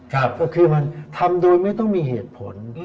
ก็คือทำโดยไม่ต้องมีเหตุผล